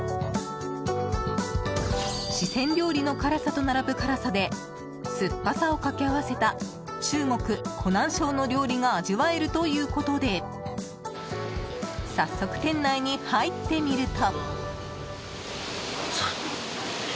四川料理の辛さと並ぶ辛さに酸っぱさを掛け合わせた中国・湖南省の料理が味わえるということで早速、店内に入ってみると。